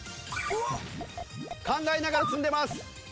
考えながら積んでます。